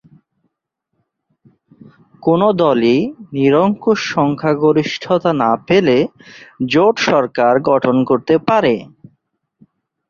কোনো দলই নিরঙ্কুশ সংখ্যাগরিষ্ঠতা না পেলে জোট সরকার গঠন করতে পারে।